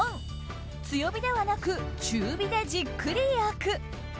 ４強火ではなく中火でじっくり焼く。